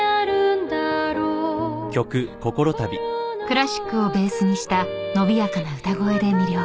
［クラシックをベースにした伸びやかな歌声で魅了］